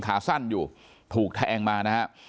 ขาสั้นอยู่ถูกแทงมานะฮะ